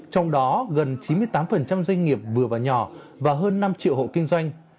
trong đó gần chín mươi tám doanh nghiệp vừa và nhỏ và hơn năm triệu hộ kinh doanh